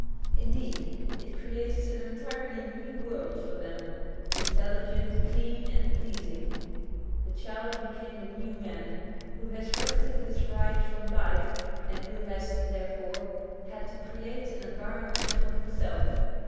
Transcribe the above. Indeed, it created an entirely new world for them — intelligent, clean, and pleas ing. The child became the new man, who has wrested his rights from life and who has, therefore, had to create an environment for himself.